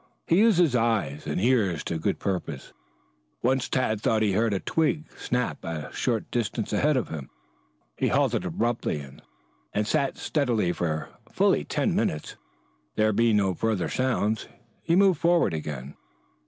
He used his eyes and ears to good purpose. Once Tad thought he heard a twig snap a short distance ahead of him. He halted abruptly and sat steadily for fully ten minutes. There being no further sounds he moved forward again.